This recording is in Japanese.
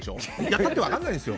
やったって分からないですよ。